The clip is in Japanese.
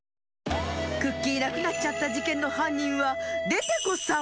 クッキーなくなっちゃったじけんのはんにんはデテコさん！